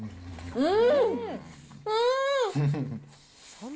うん。